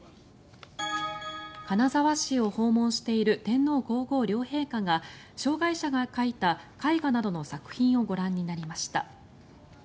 金沢市を訪問している天皇・皇后両陛下が障害者が描いた絵画などの作品をご覧になりました。